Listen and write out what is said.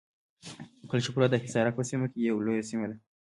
کلشپوره د حصارک په سیمه کې یوه لویه سیمه ده.